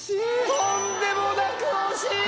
とんでもなく惜しい！